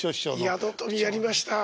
「宿富」やりました。